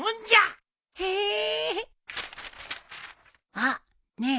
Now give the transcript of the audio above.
あっねえ